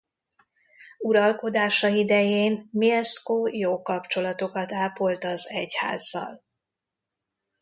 Uralkodása idején Mieszko jó kapcsolatokat ápolt az egyházzal.